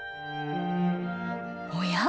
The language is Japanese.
おや？